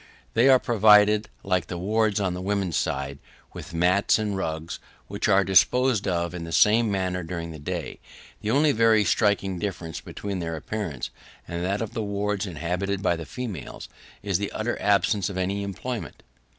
They are provided, like the wards on the women's side, with mats and rugs, which are disposed of in the same manner during the day; the only very striking difference between their appearance and that of the wards inhabited by the females, is the utter absence of any employment.